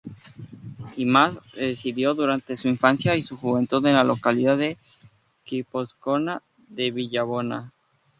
Imaz residió durante su infancia y juventud en la localidad guipuzcoana de Villabona.